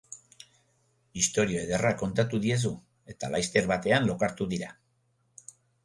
Istorio ederra kontatu diezu eta laster batean lokartu dira.